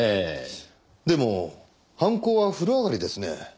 でも犯行は風呂上がりですね。